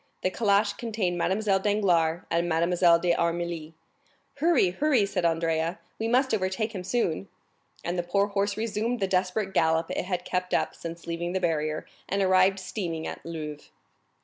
The calash contained Mademoiselle Danglars and Mademoiselle d'Armilly. "Hurry, hurry!" said Andrea, "we must overtake him soon." And the poor horse resumed the desperate gallop it had kept up since leaving the barrier, and arrived steaming at Louvres.